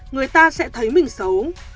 người ta sẽ thấy mình xấu